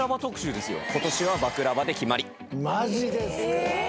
⁉マジですか。